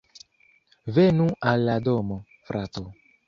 Venu al la domo, frato